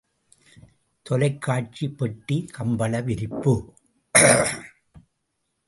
தொலைக்காட்சி பெட்டி, கம்பள விரிப்பு.